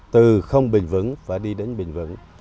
từ không bình vững phải đi đến bình vững